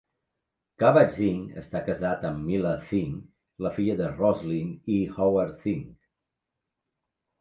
Kabat-Zinn està casat amb Myla Zinn, la filla de Roslyn i Howard Zinn.